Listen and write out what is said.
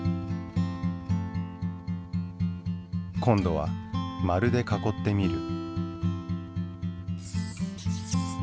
今度は丸で囲ってみる。